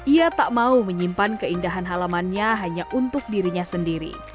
ia tak mau menyimpan keindahan halamannya hanya untuk dirinya sendiri